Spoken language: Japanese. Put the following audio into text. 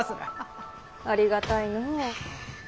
ありがたいのう。